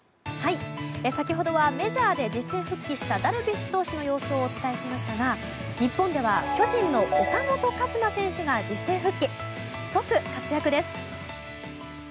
先ほどはメジャーで実戦復帰したダルビッシュ投手の様子をお伝えしましたが日本では巨人の岡本和真選手が実戦復帰、即活躍です。